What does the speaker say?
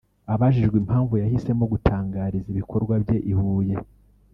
Abajijwe impamvu yahisemo gutangiriza ibikorwa bye i Huye